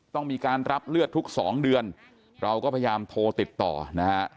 ต้องมีการรับเลือดทุกสองเดือนเราก็พยายามโทรติดต่อนะฮะ